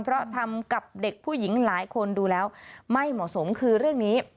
เพราะทำกับเด็กผู้หญิงหลายคนดูแล้วไม่เหมาะสมคือเรื่องนี้